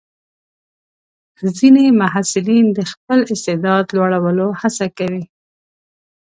ځینې محصلین د خپل استعداد لوړولو هڅه کوي.